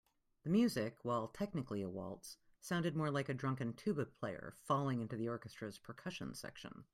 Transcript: The music, while technically a waltz, sounded more like a drunken tuba player falling into the orchestra's percussion section.